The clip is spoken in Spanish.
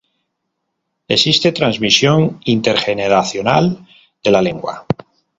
Existe transmisión intergeneracional de la lengua.